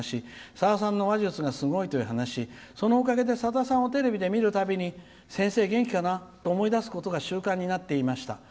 さださんの話術がすごいという話そのおかげで、さださんをテレビで見るたびに先生、元気かなって思い出すことが習慣になっていました」。